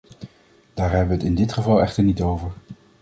Daar hebben we het in dit geval echter niet over.